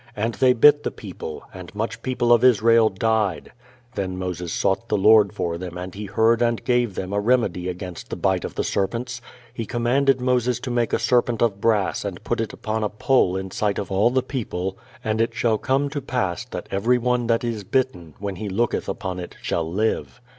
"And they bit the people; and much people of Israel died." Then Moses sought the Lord for them and He heard and gave them a remedy against the bite of the serpents. He commanded Moses to make a serpent of brass and put it upon a pole in sight of all the people, "and it shall come to pass, that everyone that is bitten, when he looketh upon it, shall live."